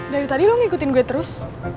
dari tadi lo ngikutin gue terus